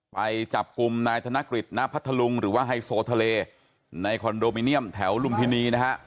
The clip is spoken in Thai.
ไปจับกลุ่มนายธนกฤษณพัทธลุงหรือว่าไฮโซทะเลในคอนโดมิเนียมแถวลุมพินีนะฮะ